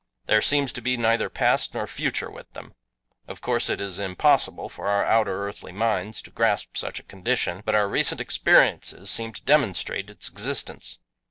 There seems to be neither past nor future with them. Of course it is impossible for our outer earthly minds to grasp such a condition, but our recent experiences seem to demonstrate its existence."